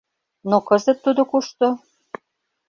Но кызыт тудо кушто?